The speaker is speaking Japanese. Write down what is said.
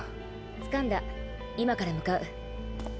つかんだ今から向かう。